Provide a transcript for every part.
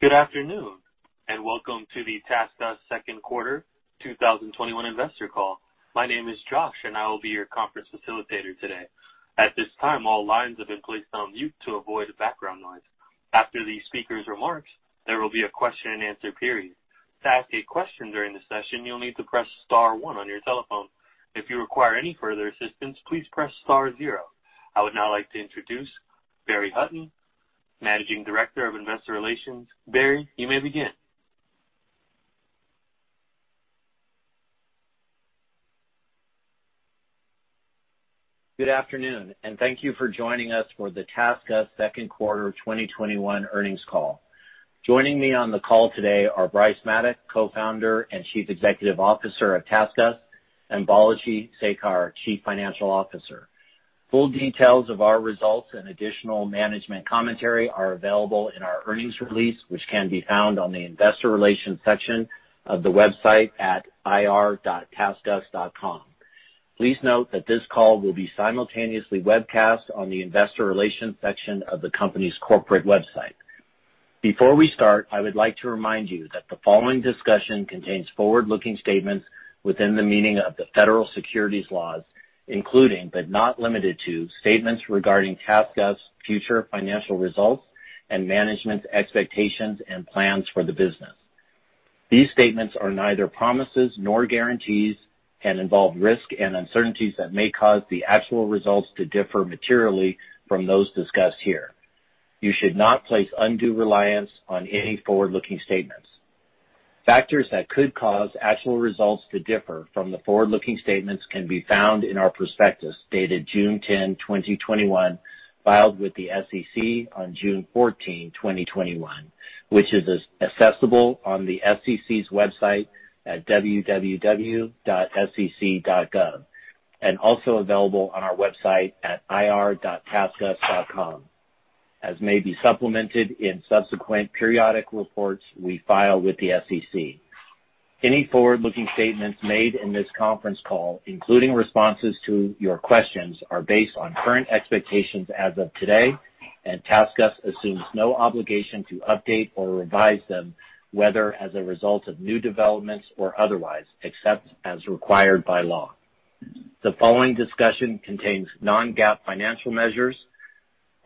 Good afternoon. Welcome to the TaskUs 2nd quarter 2021 investor call. My name is Josh, I will be your conference facilitator today. At this time, all lines have been placed on mute to avoid background noise. After the speakers' remarks, there will be a question and answer period. To ask a question during the session, you'll need to press star one on your telephone. If you require any further assistance, please press star zero. I would now like to introduce Barry Hutton, Managing Director of Investor Relations. Barry, you may begin. Good afternoon. Thank you for joining us for the TaskUs second quarter 2021 earnings call. Joining me on the call today are Bryce Maddock, Co-Founder and Chief Executive Officer of TaskUs, and Balaji Sekar, Chief Financial Officer. Full details of our results and additional management commentary are available in our earnings release, which can be found on the Investor Relations section of the website at ir.taskus.com. Please note that this call will be simultaneously webcast on the Investor Relations section of the company's corporate website. Before we start, I would like to remind you that the following discussion contains forward-looking statements within the meaning of the federal securities laws, including, but not limited to, statements regarding TaskUs' future financial results and management's expectations and plans for the business. These statements are neither promises nor guarantees and involve risk and uncertainties that may cause the actual results to differ materially from those discussed here. You should not place undue reliance on any forward-looking statements. Factors that could cause actual results to differ from the forward-looking statements can be found in our prospectus, dated June 10, 2021, filed with the SEC on June 14, 2021, which is accessible on the SEC's website at www.sec.gov, and also available on our website at ir.taskus.com as may be supplemented in subsequent periodic reports we file with the SEC. Any forward-looking statements made in this conference call, including responses to your questions, are based on current expectations as of today, and TaskUs assumes no obligation to update or revise them, whether as a result of new developments or otherwise, except as required by law. The following discussion contains non-GAAP financial measures.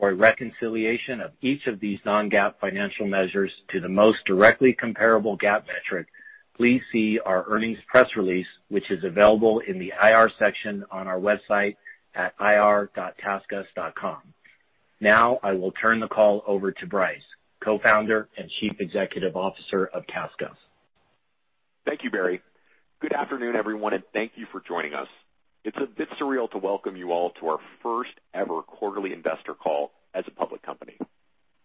For a reconciliation of each of these non-GAAP financial measures to the most directly comparable GAAP metric, please see our earnings press release, which is available in the IR section on our website at ir.taskus.com. Now, I will turn the call over to Bryce, Co-founder and Chief Executive Officer of TaskUs. Thank you, Barry. Good afternoon, everyone, and thank you for joining us. It's a bit surreal to welcome you all to our first ever quarterly investor call as a public company.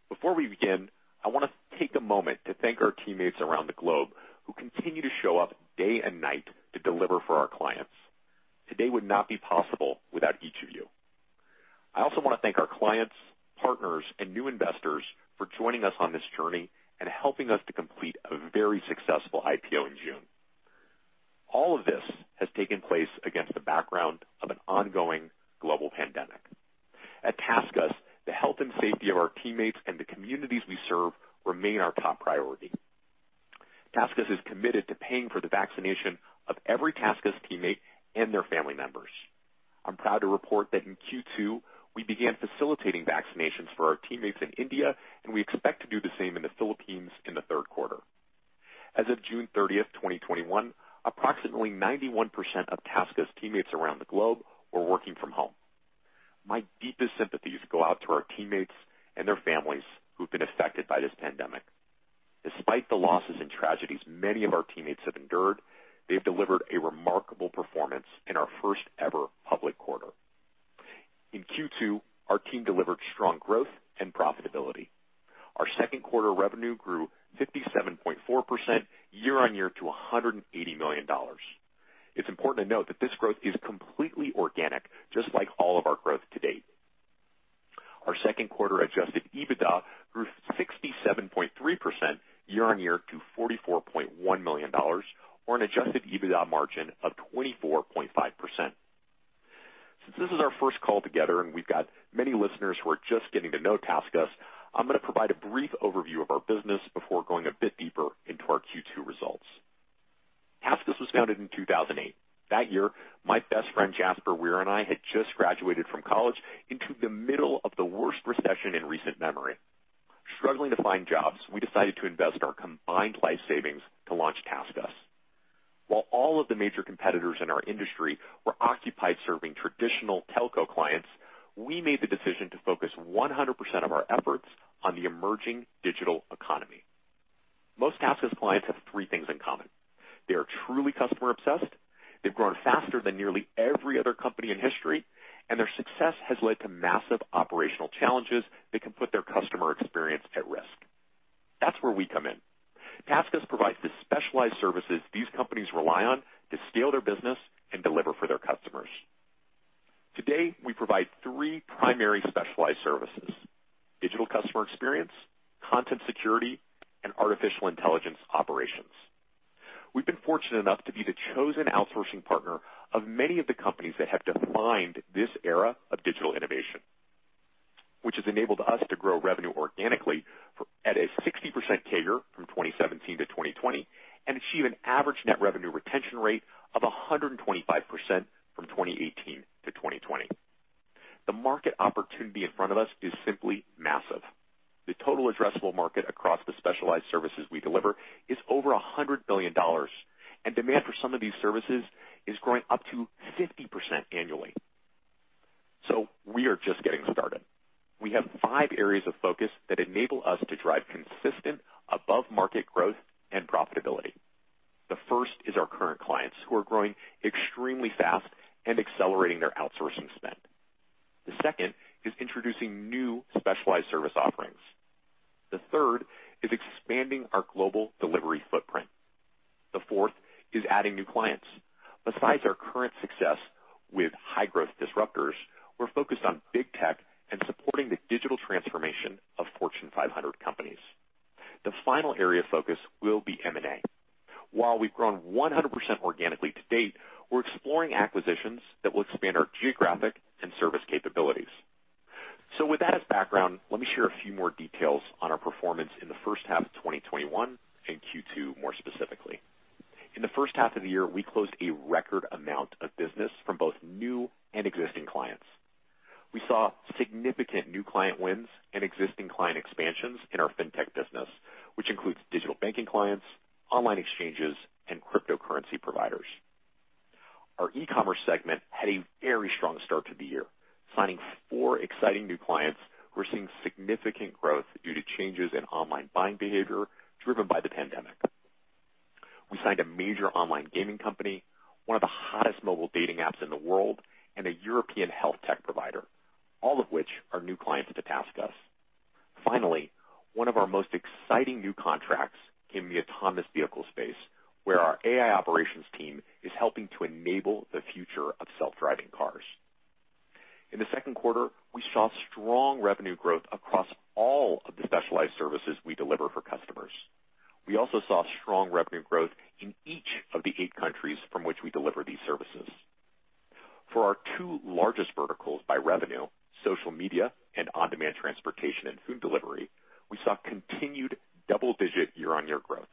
Before we begin, I want to take a moment to thank our teammates around the globe who continue to show up day and night to deliver for our clients. Today would not be possible without each of you. I also want to thank our clients, partners, and new investors for joining us on this journey and helping us to complete a very successful IPO in June. All of this has taken place against the background of an ongoing global pandemic. At TaskUs, the health and safety of our teammates and the communities we serve remain our top priority. TaskUs is committed to paying for the vaccination of every TaskUs teammate and their family members. I'm proud to report that in Q2, we began facilitating vaccinations for our teammates in India, and we expect to do the same in the Philippines in the third quarter. As of June 30th, 2021, approximately 91% of TaskUs teammates around the globe were working from home. My deepest sympathies go out to our teammates and their families who've been affected by this pandemic. Despite the losses and tragedies many of our teammates have endured, they've delivered a remarkable performance in our first ever public quarter. In Q2, our team delivered strong growth and profitability. Our second quarter revenue grew 57.4% year-on-year to $180 million. It's important to note that this growth is completely organic, just like all of our growth to date. Our second quarter Adjusted EBITDA grew 67.3% year-on-year to $44.1 million, or an Adjusted EBITDA margin of 24.5%. Since this is our first call together, and we've got many listeners who are just getting to know TaskUs, I'm gonna provide a brief overview of our business before going a bit deeper into our Q2 results. TaskUs was founded in 2008. That year, my best friend, Jaspar Weir, and I had just graduated from college into the middle of the worst recession in recent memory. Struggling to find jobs, we decided to invest our combined life savings to launch TaskUs. While all of the major competitors in our industry were occupied serving traditional telco clients, we made the decision to focus 100% of our efforts on the emerging digital economy. Most TaskUs clients have three things in common: They are truly customer obsessed, they've grown faster than nearly every other company in history, and their success has led to massive operational challenges that can put their customer experience at risk. That's where we come in. TaskUs provides the specialized services these companies rely on to scale their business and deliver for their customers. Today, we provide three primary specialized services, Digital Customer Experience, Content Security, and AI Operations. We've been fortunate enough to be the chosen outsourcing partner of many of the companies that have defined this era of digital innovation, which has enabled us to grow revenue organically at a 60% CAGR from 2017 to 2020, and achieve an average net revenue retention rate of 125% from 2018 to 2020. The market opportunity in front of us is simply massive. The total addressable market across the specialized services we deliver is over $100 billion. Demand for some of these services is growing up to 50% annually. We are just getting started. We have five areas of focus that enable us to drive consistent above-market growth and profitability. The first is our current clients, who are growing extremely fast and accelerating their outsourcing spend. The second is introducing new specialized service offerings. The third is expanding our global delivery footprint. The fourth is adding new clients. Besides our current success with high-growth disruptors, we're focused on big tech and supporting the digital transformation of Fortune 500 companies. The final area of focus will be M&A. While we've grown 100% organically to date, we're exploring acquisitions that will expand our geographic and service capabilities. With that as background, let me share a few more details on our performance in the first half of 2021, and Q2 more specifically. In the first half of the year, we closed a record amount of business from both new and existing clients. We saw significant new client wins and existing client expansions in our Fintech business, which includes digital banking clients, online exchanges, and cryptocurrency providers. Our e-commerce segment had a very strong start to the year, signing four exciting new clients who are seeing significant growth due to changes in online buying behavior driven by the pandemic. We signed a major online gaming company, one of the hottest mobile dating apps in the world, and a European health tech provider, all of which are new clients at TaskUs. Finally, one of our most exciting new contracts in the autonomous vehicle space, where our AI operations team is helping to enable the future of self-driving cars. In the second quarter, we saw strong revenue growth across all of the specialized services we deliver for customers. We also saw strong revenue growth in each of the eight countries from which we deliver these services. For our two largest verticals by revenue, social media and on-demand transportation and food delivery, we saw continued double-digit year-on-year growth.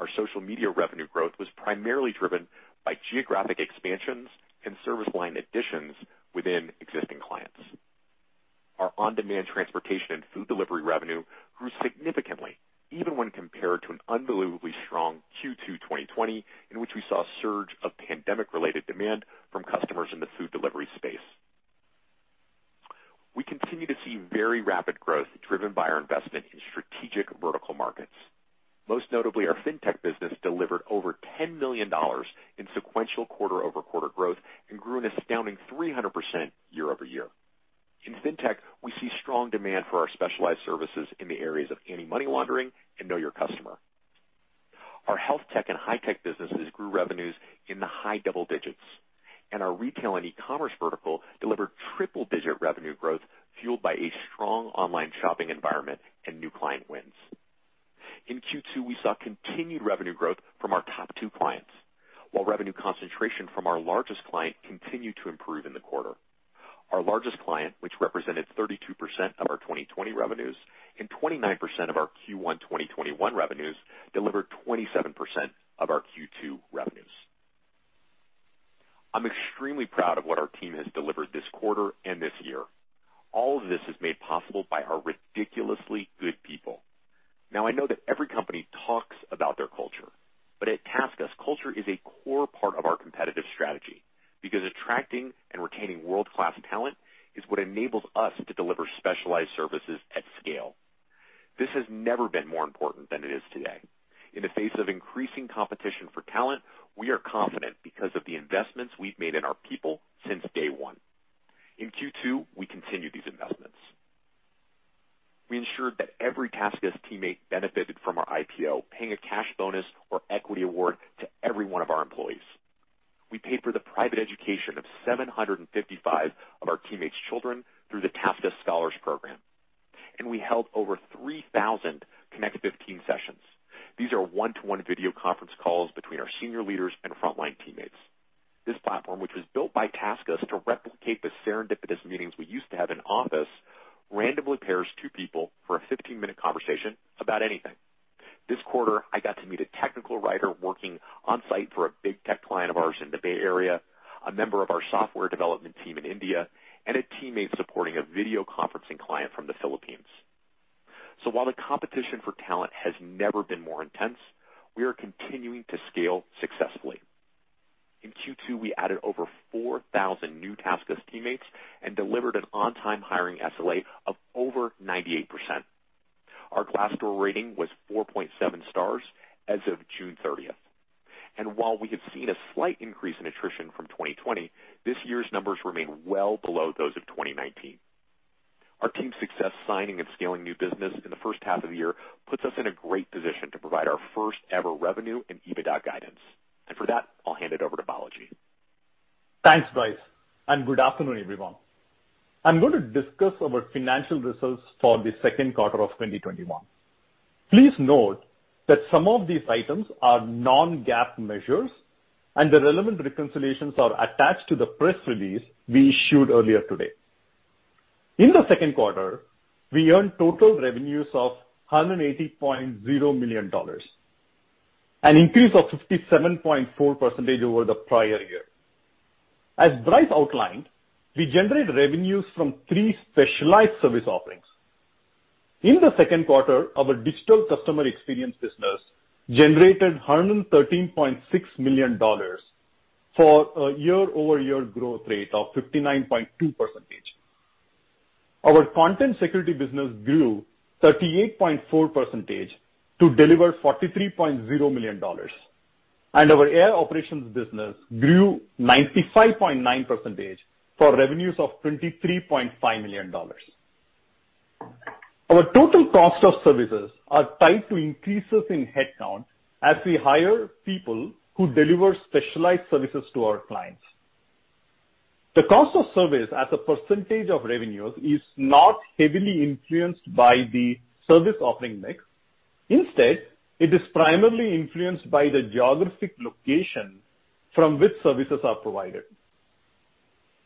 Our social media revenue growth was primarily driven by geographic expansions and service line additions within existing clients. Our on-demand transportation and food delivery revenue grew significantly, even when compared to an unbelievably strong Q2 2020, in which we saw a surge of pandemic-related demand from customers in the food delivery space. We continue to see very rapid growth driven by our investment in strategic vertical markets. Most notably, our Fintech business delivered over $10 million in sequential quarter-over-quarter growth and grew an astounding 300% year-over-year. In Fintech, we see strong demand for our specialized services in the areas of Anti-Money Laundering and Know Your Customer. Our health tech and high-tech businesses grew revenues in the high double digits, and our retail and e-commerce vertical delivered triple-digit revenue growth, fueled by a strong online shopping environment and new client wins. In Q2, we saw continued revenue growth from our top two clients, while revenue concentration from our largest client continued to improve in the quarter. Our largest client, which represented 32% of our 2020 revenues and 29% of our Q1 2021 revenues, delivered 27% of our Q2 revenues. I'm extremely proud of what our team has delivered this quarter and this year. All of this is made possible by our ridiculously good people. I know that every company talks about their culture, but at TaskUs, culture is a core part of our competitive strategy, because attracting and retaining world-class talent is what enables us to deliver specialized services at scale. This has never been more important than it is today. In the face of increasing competition for talent, we are confident because of the investments we've made in our people since day one. In Q2, we continued these investments. We ensured that every TaskUs teammate benefited from our IPO, paying a cash bonus or equity award to every one of our employees. We paid for the private education of 755 of our teammates' children through the TaskUs Next-Gen Scholarship Program, and we held over 3,000 Connect 15 sessions. These are one-to-one video conference calls between our senior leaders and frontline teammates. This platform, which was built by TaskUs to replicate the serendipitous meetings we used to have in office, randomly pairs two people for a 15-minute conversation about anything. This quarter, I got to meet a technical writer working on-site for a big tech client of ours in the Bay Area, a member of our software development team in India, and a teammate supporting a video conferencing client from the Philippines. While the competition for talent has never been more intense, we are continuing to scale successfully. In Q2, we added over 4,000 new TaskUs teammates and delivered an on-time hiring SLA of over 98%. Our Glassdoor rating was 4.7 stars as of June 30th. While we have seen a slight increase in attrition from 2020, this year's numbers remain well below those of 2019. Our team's success signing and scaling new business in the first half of the year puts us in a great position to provide our first-ever revenue and EBITDA guidance. For that, I'll hand it over to Balaji. Thanks, Bryce. Good afternoon, everyone. I'm going to discuss our financial results for the second quarter of 2021. Please note that some of these items are non-GAAP measures, and the relevant reconciliations are attached to the press release we issued earlier today. In the second quarter, we earned total revenues of $180.0 million, an increase of 57.4% over the prior year. As Bryce outlined, we generate revenues from three specialized service offerings. In the second quarter, our Digital Customer Experience business generated $113.6 million for a year-over-year growth rate of 59.2%. Our Content Security business grew 38.4% to deliver $43.0 million. Our AI operations business grew 95.9% for revenues of $23.5 million. Our total cost of services are tied to increases in headcount as we hire people who deliver specialized services to our clients. The cost of service as a percentage of revenues is not heavily influenced by the service offering mix. Instead, it is primarily influenced by the geographic location from which services are provided.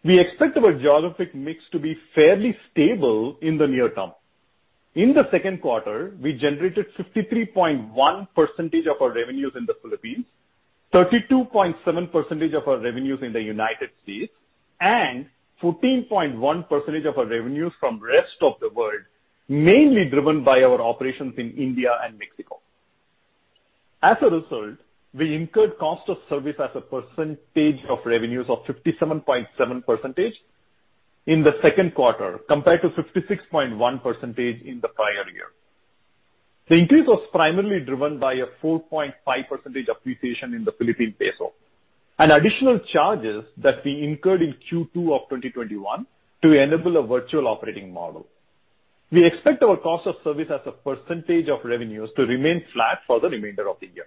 We expect our geographic mix to be fairly stable in the near term. In the second quarter, we generated 53.1% of our revenues in the Philippines, 32.7% of our revenues in the U.S., and 14.1% of our revenues from rest of the world, mainly driven by our operations in India and Mexico. As a result, we incurred cost of service as a % of revenues of 57.7% in the second quarter, compared to 56.1% in the prior year. The increase was primarily driven by a 4.5% appreciation in the Philippine peso and additional charges that we incurred in Q2 of 2021 to enable a virtual operating model. We expect our cost of service as a percentage of revenues to remain flat for the remainder of the year.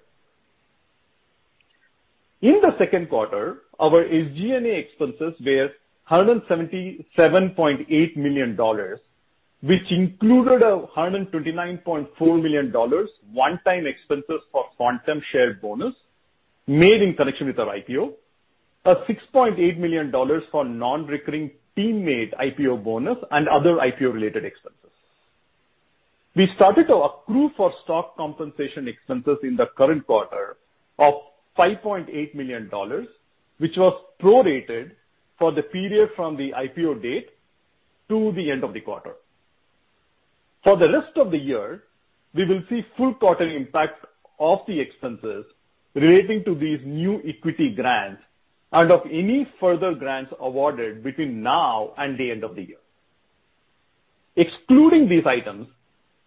In the second quarter, our SG&A expenses were $177.8 million, which included a $129.4 million one-time expenses for phantom share bonus made in connection with our IPO, a $6.8 million for non-recurring teammate IPO bonus, and other IPO related expenses. We started to accrue for stock compensation expenses in the current quarter of $5.8 million, which was prorated for the period from the IPO date to the end of the quarter. For the rest of the year, we will see full quarter impact of the expenses relating to these new equity grants and of any further grants awarded between now and the end of the year. Excluding these items,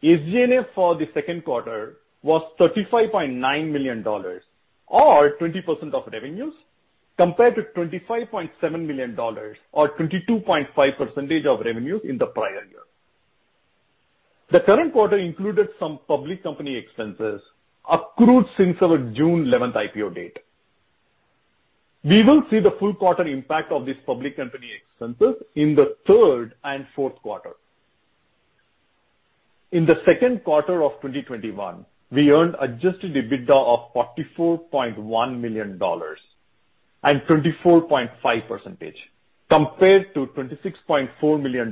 SG&A for the second quarter was $35.9 million or 20% of revenues, compared to $25.7 million or 22.5% of revenues in the prior year. The current quarter included some public company expenses accrued since our June 11th IPO date. We will see the full quarter impact of this public company expenses in the third and fourth quarter. In the second quarter of 2021, we earned Adjusted EBITDA of $44.1 million and 24.5%, compared to $26.4 million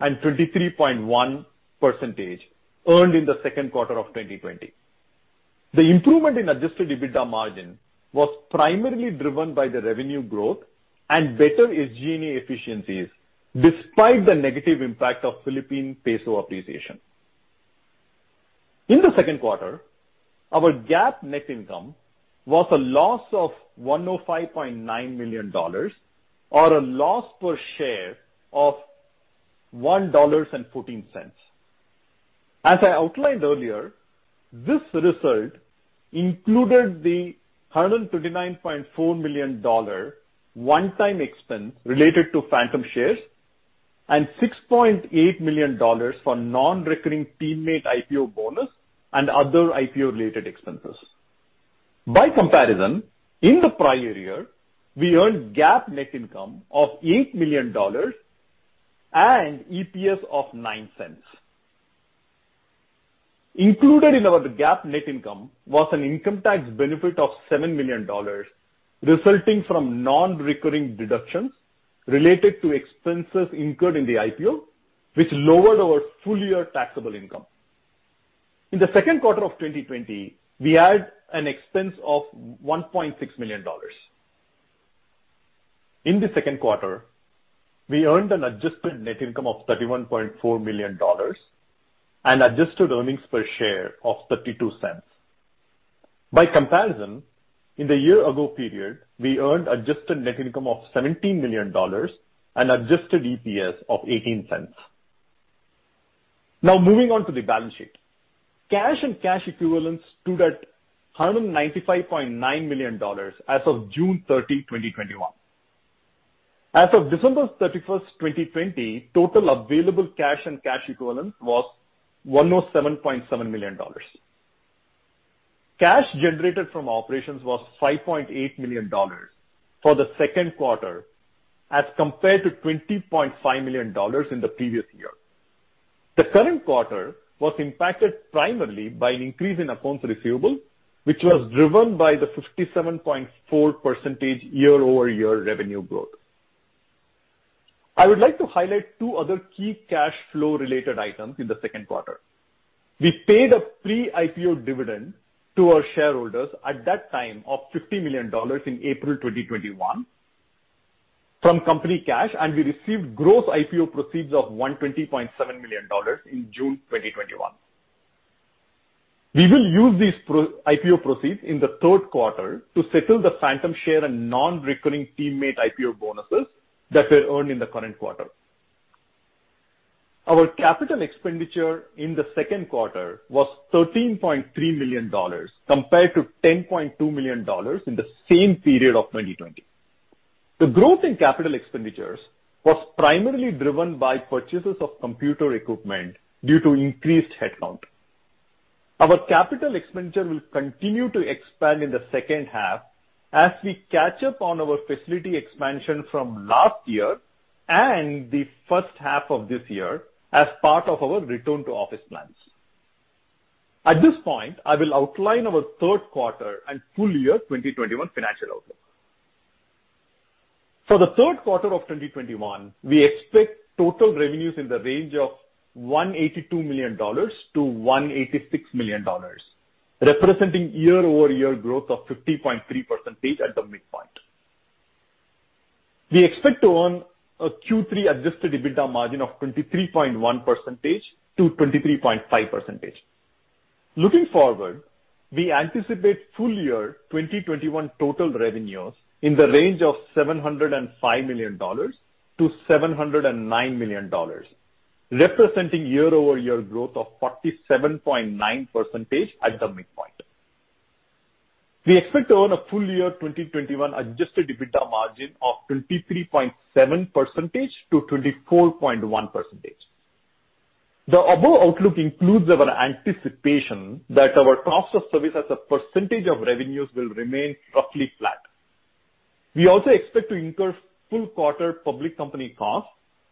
and 23.1% earned in the second quarter of 2020. The improvement in Adjusted EBITDA margin was primarily driven by the revenue growth and better SG&A efficiencies, despite the negative impact of Philippine peso appreciation. In the second quarter, our GAAP net income was a loss of $105.9 million or a loss per share of $1.14. As I outlined earlier, this result included the $129.4 million one-time expense related to phantom shares and $6.8 million for non-recurring teammate IPO bonus and other IPO related expenses. By comparison, in the prior year, we earned GAAP net income of $8 million and EPS of $0.09. Included in our GAAP net income was an income tax benefit of $7 million, resulting from non-recurring deductions related to expenses incurred in the IPO, which lowered our full-year taxable income. In the second quarter of 2020, we had an expense of $1.6 million. In the second quarter, we earned an adjusted net income of $31.4 million and adjusted earnings per share of $0.32. By comparison, in the year ago period, we earned adjusted net income of $17 million and adjusted EPS of $0.18. Now, moving on to the balance sheet. Cash and cash equivalents stood at $195.9 million as of June 30, 2021. As of December 31st, 2020, total available cash and cash equivalents was $107.7 million. Cash generated from operations was $5.8 million for the second quarter as compared to $20.5 million in the previous year. The current quarter was impacted primarily by an increase in accounts receivable, which was driven by the 57.4% year-over-year revenue growth. I would like to highlight two other key cash flow related items in the second quarter. We paid a pre-IPO dividend to our shareholders at that time of $50 million in April 2021 from company cash, and we received gross IPO proceeds of $120.7 million in June 2021. We will use these IPO proceeds in the third quarter to settle the phantom share and non-recurring teammate IPO bonuses that were earned in the current quarter. Our capital expenditure in the second quarter was $13.3 million compared to $10.2 million in the same period of 2020. The growth in capital expenditures was primarily driven by purchases of computer equipment due to increased headcount. Our capital expenditure will continue to expand in the second half as we catch up on our facility expansion from last year and the first half of this year as part of our return-to-office plans. At this point, I will outline our third quarter and full year 2021 financial outlook. For the third quarter of 2021, we expect total revenues in the range of $182 million-$186 million, representing year-over-year growth of 50.3% at the midpoint. We expect to earn a Q3 Adjusted EBITDA margin of 23.1% to 23.5%. Looking forward, we anticipate full year 2021 total revenues in the range of $705 million to $709 million, representing year-over-year growth of 47.9% at the midpoint. We expect to earn a full year 2021 Adjusted EBITDA margin of 23.7% to 24.1%. The above outlook includes our anticipation that our cost of service as a percentage of revenues will remain roughly flat. We also expect to incur full quarter public company costs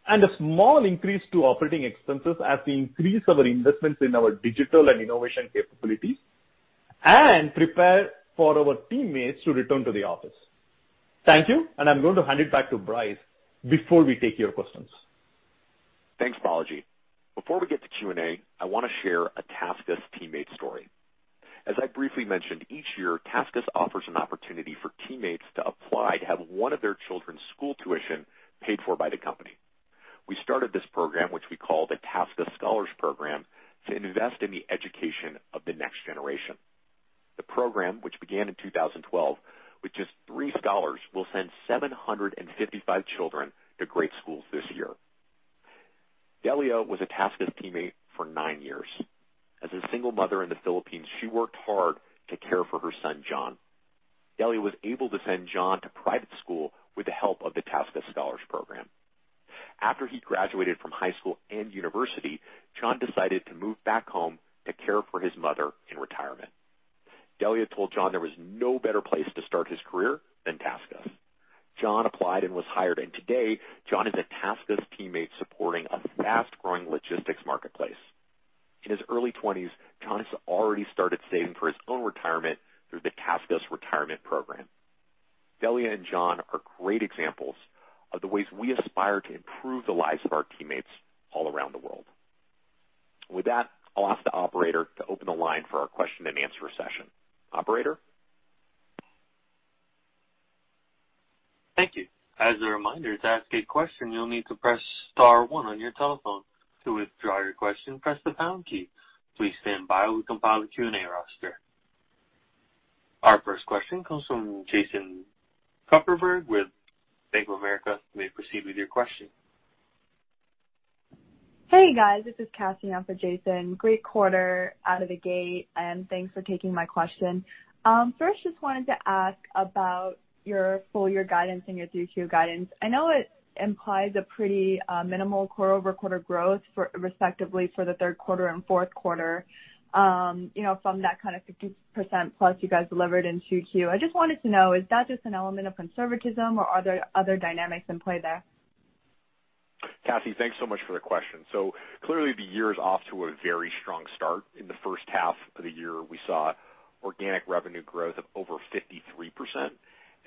and a small increase to operating expenses as we increase our investments in our digital and innovation capabilities and prepare for our teammates to return to the office. Thank you. I'm going to hand it back to Bryce before we take your questions. Thanks, Balaji. Before we get to Q&A, I want to share a TaskUs teammate story. As I briefly mentioned, each year, TaskUs offers an opportunity for teammates to apply to have one of their children's school tuition paid for by the company. We started this program, which we call the TaskUs Scholars Program, to invest in the education of the next generation. The program, which began in 2012 with just 3 scholars, will send 755 children to great schools this year. Delia was a TaskUs teammate for nine years. As a single mother in the Philippines, she worked hard to care for her son, John. Delia was able to send John to private school with the help of the TaskUs Scholars Program. After he graduated from high school and university, John decided to move back home to care for his mother in retirement. Delia told John there was no better place to start his career than TaskUs. John applied and was hired, and today John is a TaskUs teammate supporting a fast-growing logistics marketplace. In his early 20s, John has already started saving for his own retirement through the TaskUs Retirement Program. Delia and John are great examples of the ways we aspire to improve the lives of our teammates all around the world. With that, I'll ask the operator to open the line for our question-and-answer session. Operator? Thank you. As a reminder to ask a question you'll need to press star one on your telephone to withdraw your question press the down key. Please stand by, we compile the QA roster. Our first question comes from Jason Kupferberg with Bank of America. Hey, guys, this is Cassie now for Jason. Great quarter out of the gate, thanks for taking my question. First, just wanted to ask about your full year guidance and your Q2 guidance. I know it implies a pretty minimal quarter-over-quarter growth respectively for the third quarter and fourth quarter. From that kind of 50%+ you guys delivered in Q2. I just wanted to know, is that just an element of conservatism or are there other dynamics in play there? Cassie, thanks so much for the question. Clearly the year is off to a very strong start. In the first half of the year, we saw organic revenue growth of over 53%,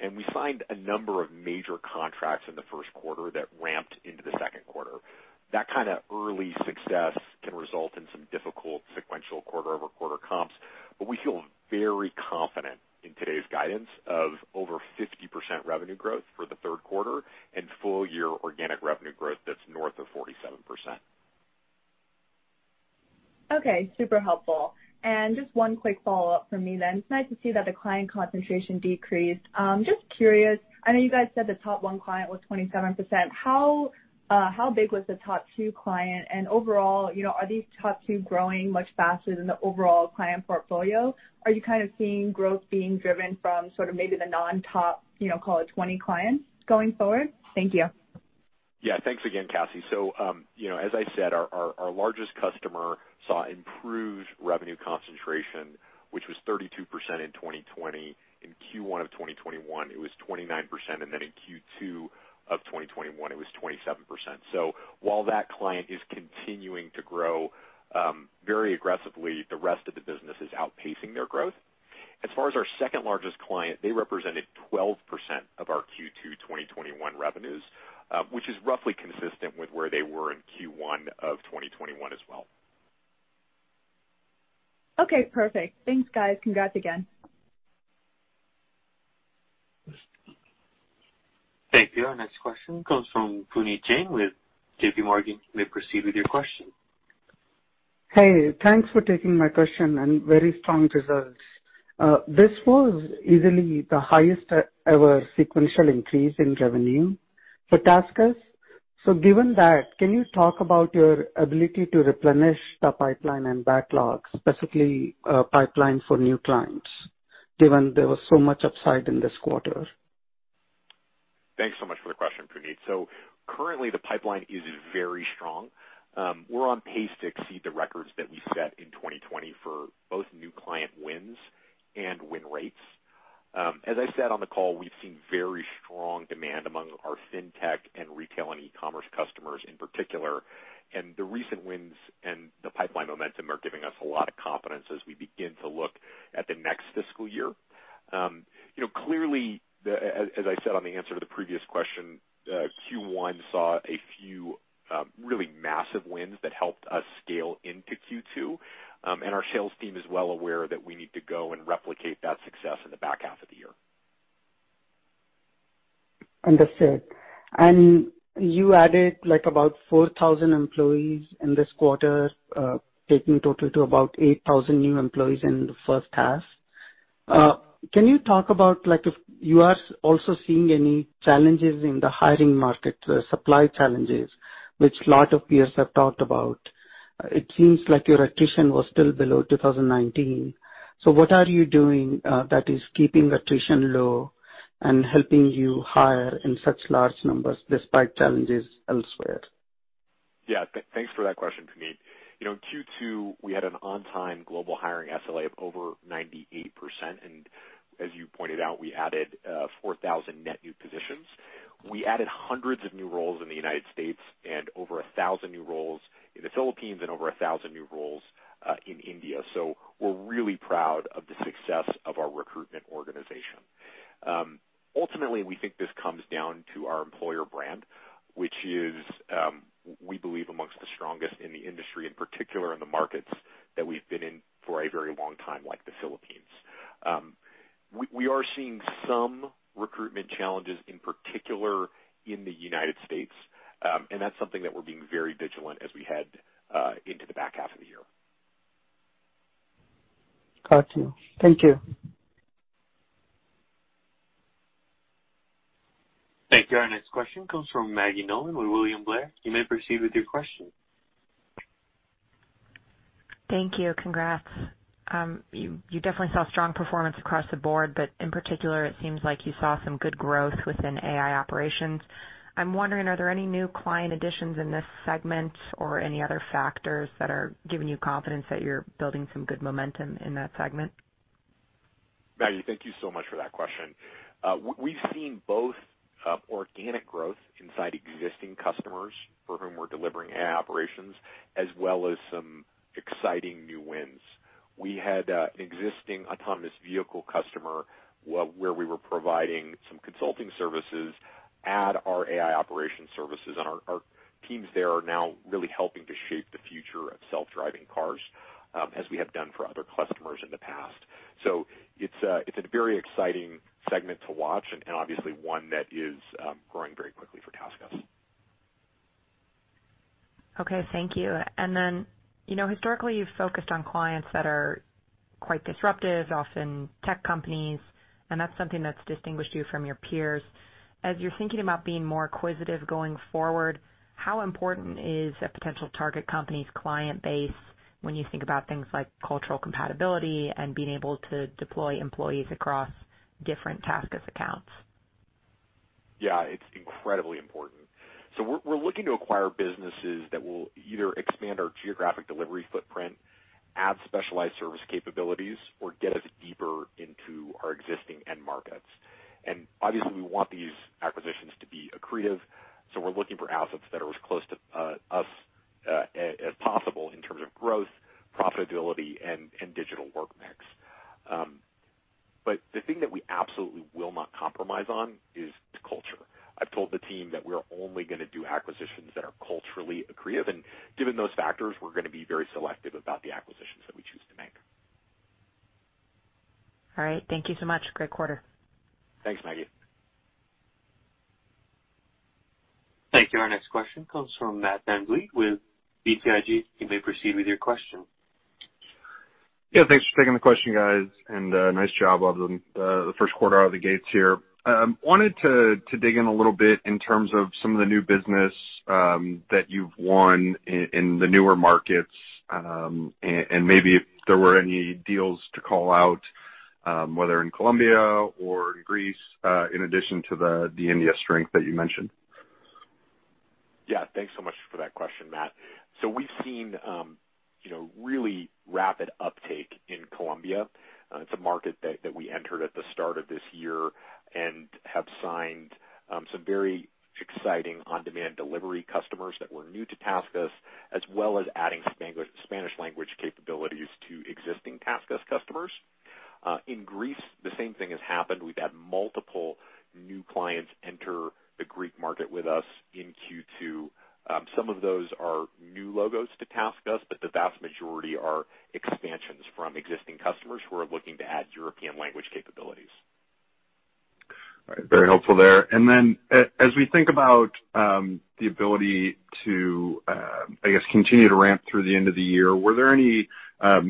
and we signed a number of major contracts in the first quarter that ramped into the second quarter. That kind of early success can result in some difficult sequential quarter-over-quarter comps. We feel very confident in today's guidance of over 50% revenue growth for the third quarter and full year organic revenue growth that's north of 47%. Okay, super helpful. Just one quick follow-up from me then. It's nice to see that the client concentration decreased. Just curious, I know you guys said the top 1 client was 27%. How big was the top 2 client and overall, are these top two growing much faster than the overall client portfolio? Are you kind of seeing growth being driven from sort of maybe the non-top call it 20 clients going forward? Thank you. Yeah. Thanks again, Cassie. As I said, our largest customer saw improved revenue concentration, which was 32% in 2020. In Q1 2021, it was 29%, and then in Q2 2021, it was 27%. While that client is continuing to grow very aggressively, the rest of the business is outpacing their growth. As far as our second largest client, they represented 12% of our Q2 2021 revenues, which is roughly consistent with where they were in Q1 2021 as well. Okay, perfect. Thanks, guys. Congrats again. Thank you. Our next question comes from Puneet Jain with JPMorgan. You may proceed with your question. Hey, thanks for taking my question. Very strong results. This was easily the highest ever sequential increase in revenue for TaskUs. Given that, can you talk about your ability to replenish the pipeline and backlog, specifically pipeline for new clients, given there was so much upside in this quarter? Thanks so much for the question, Puneet. Currently, the pipeline is very strong. We're on pace to exceed the records that we set in 2020 for both new client wins and win rates. As I said on the call, we've seen very strong demand among our Fintech and retail and e-commerce customers in particular, and the recent wins and the pipeline momentum are giving us a lot of confidence as we begin to look at the next fiscal year. Clearly, as I said on the answer to the previous question, Q1 saw a few really massive wins that helped us scale into Q2, and our sales team is well aware that we need to go and replicate that success in the back half of the year. Understood. You added about 4,000 employees in this quarter, taking total to about 8,000 new employees in the first half. Can you talk about if you are also seeing any challenges in the hiring market, the supply challenges, which a lot of peers have talked about? It seems like your attrition was still below 2019. What are you doing that is keeping attrition low and helping you hire in such large numbers despite challenges elsewhere? Thanks for that question, Puneet. In Q2, we had an on-time global hiring SLA of over 98%, and as you pointed out, we added 4,000 net new positions. We added hundreds of new roles in the U.S. and over 1,000 new roles in the Philippines and over 1,000 new roles in India. We're really proud of the success of our recruitment organization. Ultimately, we think this comes down to our employer brand, which is, we believe, amongst the strongest in the industry, in particular in the markets that we've been in for a very long time, like the Philippines. We are seeing some recruitment challenges, in particular in the U.S., and that's something that we're being very vigilant as we head into the back half of the year. Got you. Thank you. Thank you. Our next question comes from Maggie Nolan with William Blair. You may proceed with your question. Thank you. Congrats. You definitely saw strong performance across the board, but in particular, it seems like you saw some good growth within AI operations. I'm wondering, are there any new client additions in this segment or any other factors that are giving you confidence that you're building some good momentum in that segment? Maggie, thank you so much for that question. We've seen both organic growth inside existing customers for whom we're delivering AI operations, as well as some exciting new wins. We had an existing autonomous vehicle customer where we were providing some consulting services, add our AI operations services, and our teams there are now really helping to shape the future of self-driving cars, as we have done for other customers in the past. It's a very exciting segment to watch and obviously one that is growing very quickly for TaskUs. Okay, thank you. Historically, you've focused on clients that are quite disruptive, often tech companies, and that's something that's distinguished you from your peers. As you're thinking about being more acquisitive going forward, how important is a potential target company's client base when you think about things like cultural compatibility and being able to deploy employees across different TaskUs accounts? Yeah, it's incredibly important. We're looking to acquire businesses that will either expand our geographic delivery footprint, add specialized service capabilities, or get us deeper into our existing end markets. Obviously, we want these acquisitions to be accretive, so we're looking for assets that are as close to us as possible in terms of growth, profitability, and digital work mix. The thing that we absolutely will not compromise on is culture. I've told the team that we're only going to do acquisitions that are culturally accretive, and given those factors, we're going to be very selective about the acquisitions that we choose to make. All right. Thank you so much. Great quarter. Thanks, Maggie. Thank you. Our next question comes from Matt VanVliet with BTIG. You may proceed with your question. Yeah, thanks for taking the question, guys. Nice job on the first quarter out of the gates here. Wanted to dig in a little bit in terms of some of the new business that you've won in the newer markets, and maybe if there were any deals to call out, whether in Colombia or in Greece, in addition to the India strength that you mentioned. Thanks so much for that question, Matt. We've seen really rapid uptake in Colombia. It's a market that we entered at the start of this year and have signed some very exciting on-demand delivery customers that were new to TaskUs, as well as adding Spanish language capabilities to existing TaskUs customers. In Greece, the same thing has happened. We've had multiple new clients enter the Greek market with us in Q2. Some of those are new logos to TaskUs, the vast majority are expansions from existing customers who are looking to add European language capabilities. All right. Very helpful there. As we think about the ability to, I guess, continue to ramp through the end of the year, were there any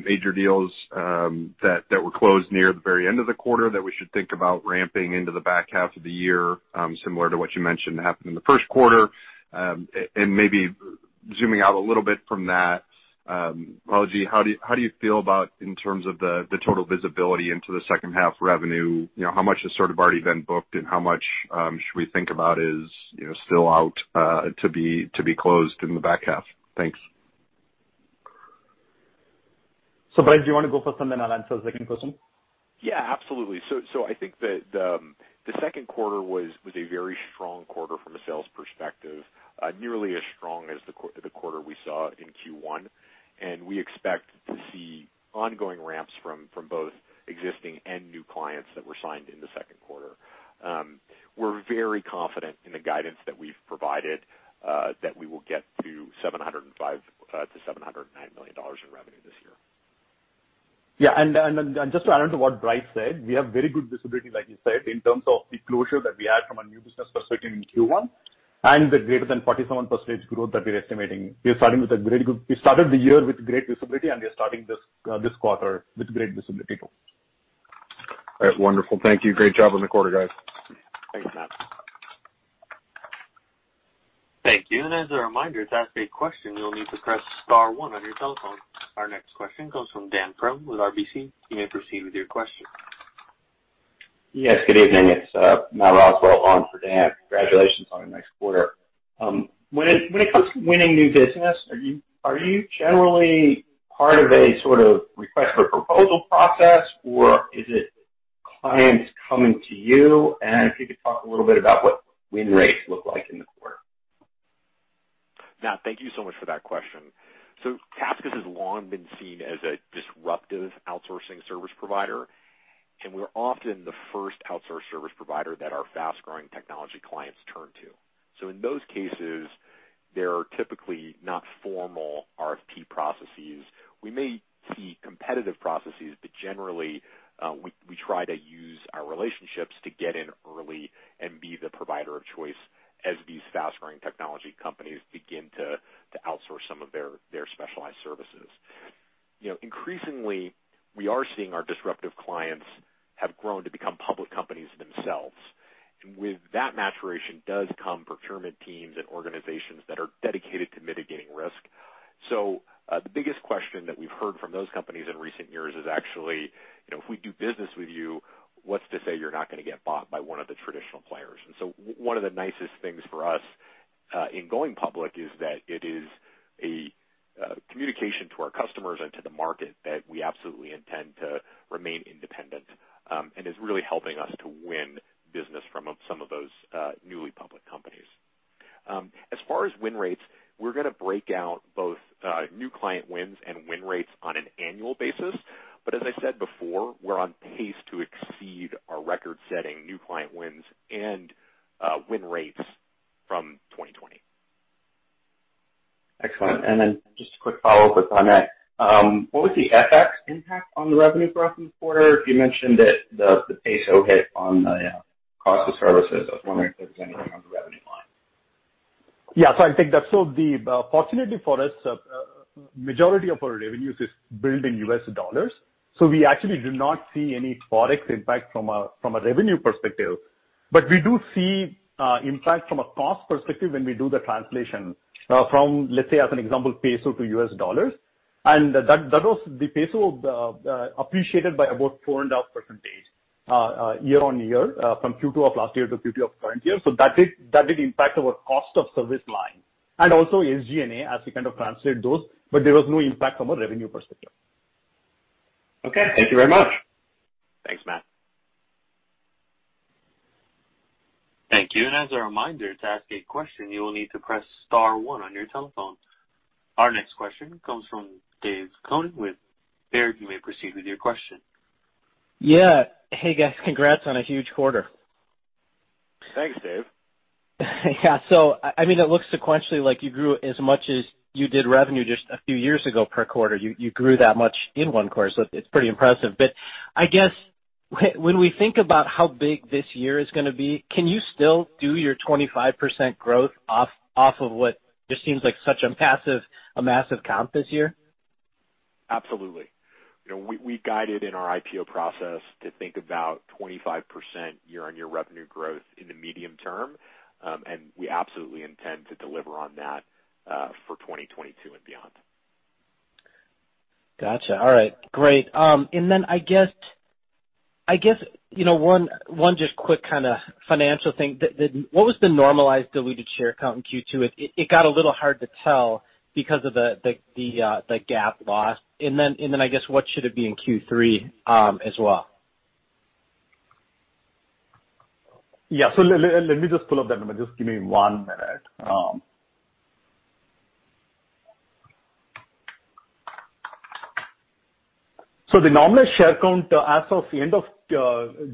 major deals that were closed near the very end of the quarter that we should think about ramping into the back half of the year, similar to what you mentioned happened in the first quarter? Maybe zooming out a little bit from that, Balaji, how do you feel about in terms of the total visibility into the second half revenue? How much has sort of already been booked, and how much should we think about is still out to be closed in the back half? Thanks. Bryce, do you want to go first, then I'll answer the second question? Absolutely. I think that the second quarter was a very strong quarter from a sales perspective, nearly as strong as the quarter we saw in Q1, and we expect to see ongoing ramps from both existing and new clients that were signed in the second quarter. We're very confident in the guidance that we've provided, that we will get to $705 million$ to 709 million in revenue this year. Yeah. Just to add on to what Bryce said, we have very good visibility, like you said, in terms of the closure that we had from our new business perspective in Q1 and the greater than 47% growth that we're estimating. We started the year with great visibility, and we are starting this quarter with great visibility, too. All right. Wonderful. Thank you. Great job on the quarter, guys. Thanks, Matt. Thank you. As a reminder, to ask a question, you'll need to press star one on your telephone. Our next question comes from Dan Perlin with RBC. You may proceed with your question. Yes, good evening. It is Matt Roswell on for Dan. Congratulations on a nice quarter. When it comes to winning new business, are you generally part of a sort of request for proposal process, or is it clients coming to you? If you could talk a little bit about what win rates look like in the quarter. Matt, thank you so much for that question. TaskUs has long been seen as a disruptive outsourcing service provider, and we're often the first outsource service provider that our fast-growing technology clients turn to. In those cases, there are typically not formal RFP processes. We may see competitive processes, but generally, we try to use our relationships to get in early and be the provider of choice as these fast-growing technology companies begin to outsource some of their specialized services. Increasingly, we are seeing our disruptive clients have grown to become public companies themselves. With that maturation does come procurement teams and organizations that are dedicated to mitigating risk. The biggest question that we've heard from those companies in recent years is actually, if we do business with you, what's to say you're not gonna get bought by one of the traditional players? One of the nicest things for us, in going public, is that it is a communication to our customers and to the market that we absolutely intend to remain independent, and is really helping us to win business from some of those newly public companies. As far as win rates, we're going to break out both new client wins and win rates on an annual basis. As I said before, we're on pace to exceed our record-setting new client wins and win rates from 2020. Excellent. Just a quick follow-up with on that. What was the FX impact on the revenue for us this quarter? You mentioned that the peso hit on the cost of services. I was wondering if there was anything on the revenue line. Yeah. I think that fortunately for us, majority of our revenues is billed in US dollars. We actually do not see any Forex impact from a revenue perspective. We do see impact from a cost perspective when we do the translation from, let's say as an example, peso to US dollars. The peso appreciated by about 400% year-over-year from Q2 of last year to Q2 of current year. That did impact our cost of service line and also SG&A as we kind of translate those, but there was no impact from a revenue perspective. Okay. Thank you very much. Thanks, Matt. Thank you. As a reminder, to ask a question, you will need to press star one on your telephone. Our next question comes from David Koning with Baird. You may proceed with your question. Yeah. Hey, guys. Congrats on a huge quarter. Thanks, Dave. Yeah. It looks sequentially like you grew as much as you did revenue just a few years ago per quarter. You grew that much in 1 quarter, so it's pretty impressive. I guess when we think about how big this year is gonna be, can you still do your 25% growth off of what just seems like such a massive comp this year? Absolutely. We guided in our IPO process to think about 25% year-over-year revenue growth in the medium term. We absolutely intend to deliver on that for 2022 and beyond. Got you. All right, great. I guess one just quick financial thing. What was the normalized diluted share count in Q2? It got a little hard to tell because of the GAAP loss. Then, I guess, what should it be in Q3 as well? Yeah. Let me just pull up that number. Just give me one minute. The normalized share count as of the end of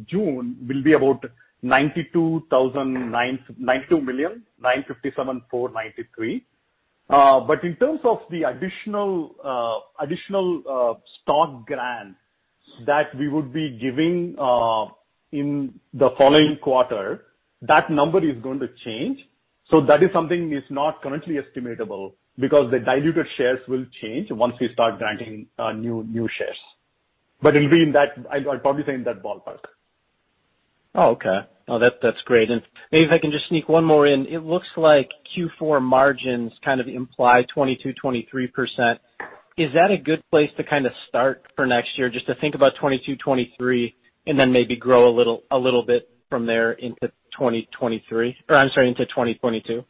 June will be about 92,957,493. In terms of the additional stock grant that we would be giving in the following quarter, that number is going to change. That is something is not currently estimatable because the diluted shares will change once we start granting new shares. It'll be in that, I'd probably say, in that ballpark. Oh, okay. No, that's great. Maybe if I can just sneak one more in, it looks like Q4 margins kind of imply 22%, 23%. Is that a good place to start for next year just to think about 2022, 2023, and then maybe grow a little bit from there into 2023? I'm sorry, into 2022?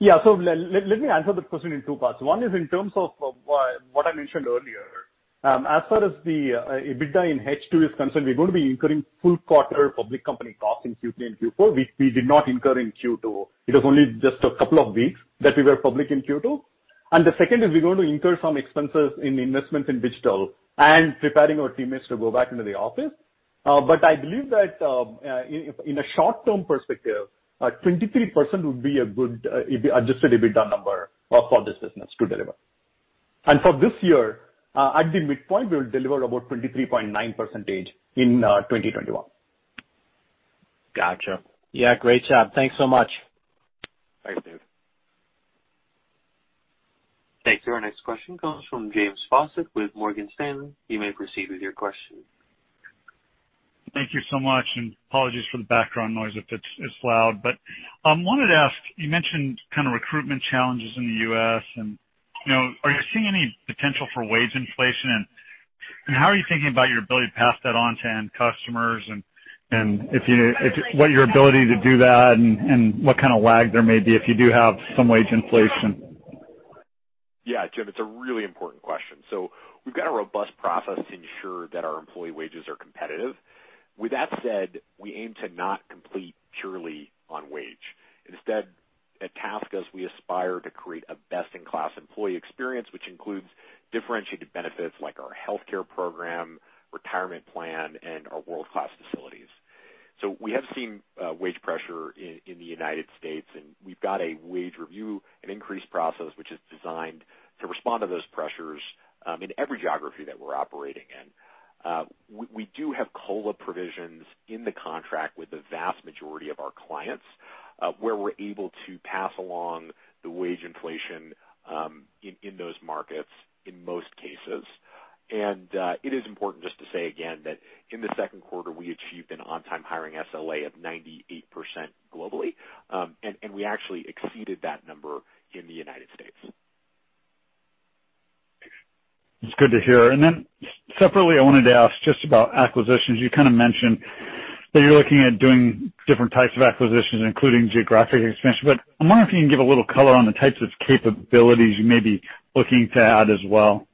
Yeah. Let me answer the question in two parts. One is in terms of what I mentioned earlier. As far as the EBITDA in H2 is concerned, we're going to be incurring full quarter public company costs in Q3 and Q4, which we did not incur in Q2. It was only just a couple of weeks that we were public in Q2. The second is we're going to incur some expenses in investments in digital and preparing our teammates to go back into the office. I believe that, in a short-term perspective, 23% would be a good Adjusted EBITDA number for this business to deliver. For this year, at the midpoint, we'll deliver about 23.9% in 2021. Got you. Yeah, great job. Thanks so much. Thanks, Dave. Thank you. Our next question comes from James Faucette with Morgan Stanley. You may proceed with your question. Thank you so much. Apologies for the background noise if it's loud. I wanted to ask, you mentioned kind of recruitment challenges in the U.S. and are you seeing any potential for wage inflation, and how are you thinking about your ability to pass that on to end customers and what your ability to do that and what kind of lag there may be if you do have some wage inflation? Yeah, Jim, it's a really important question. We've got a robust process to ensure that our employee wages are competitive. With that said, we aim to not complete purely on wage. Instead, at TaskUs, we aspire to create a best-in-class employee experience, which includes differentiated benefits like our healthcare program, retirement plan, and our world-class facilities. We have seen wage pressure in the United States, and we've got a wage review and increase process, which is designed to respond to those pressures, in every geography that we're operating in. We do have COLA provisions in the contract with the vast majority of our clients, where we're able to pass along the wage inflation in those markets in most cases. It is important just to say again that in the second quarter, we achieved an on-time hiring SLA of 98% globally. We actually exceeded that number in the United States. It's good to hear. Separately, I wanted to ask just about acquisitions. You kind of mentioned that you're looking at doing different types of acquisitions, including geographic expansion, but I wonder if you can give a little color on the types of capabilities you may be looking to add as well.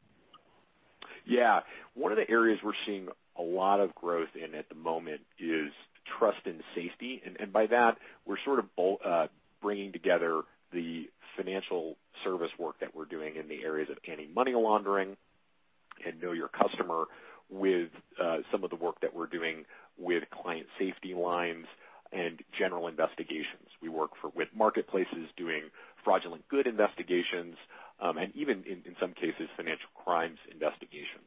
Yeah. One of the areas we're seeing a lot of growth in at the moment is trust and safety. By that, we're sort of bringing together the financial service work that we're doing in the areas of anti-money laundering and know your customer with some of the work that we're doing with client safety lines and general investigations. We work with marketplaces doing fraudulent good investigations, and even in some cases, financial crimes investigations.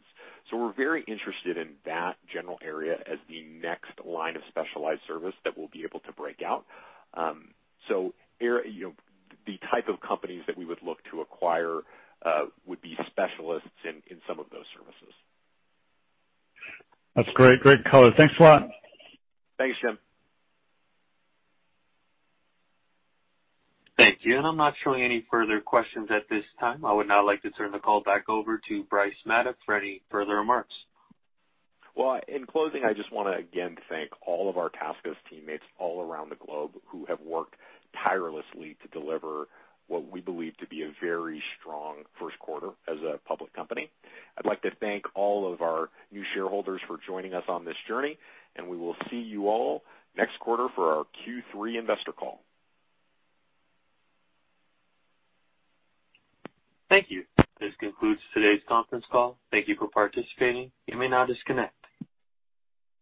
We're very interested in that general area as the next line of specialized service that we'll be able to break out. The type of companies that we would look to acquire would be specialists in some of those services. That's great color. Thanks a lot. Thanks, Jim. Thank you. I'm not showing any further questions at this time. I would now like to turn the call back over to Bryce Maddock for any further remarks. Well, in closing, I just want to, again, thank all of our TaskUs teammates all around the globe who have worked tirelessly to deliver what we believe to be a very strong first quarter as a public company. I'd like to thank all of our new shareholders for joining us on this journey, and we will see you all next quarter for our Q3 investor call. Thank you. This concludes today's conference call. Thank you for participating. You may now disconnect.